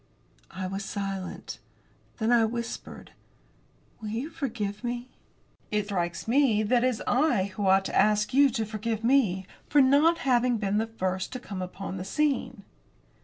I was silent. Then I whispered: "Will you forgive me?" "It strikes me that it is I who ought to ask you to forgive me for not having been the first to come upon the scene."